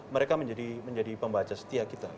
mereka menjadi pembaca setia kita